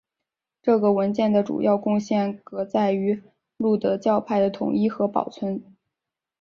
这个文件的主要贡献革在于路德教派的统一和保存。